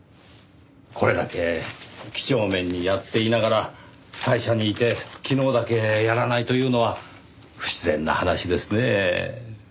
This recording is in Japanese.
これだけ几帳面にやっていながら会社にいて昨日だけやらないというのは不自然な話ですねぇ。